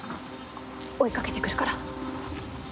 追いかけてくるから。